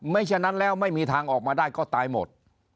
ฉะนั้นแล้วไม่มีทางออกมาได้ก็ตายหมด